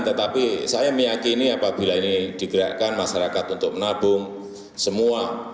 tetapi saya meyakini apabila ini digerakkan masyarakat untuk menabung semua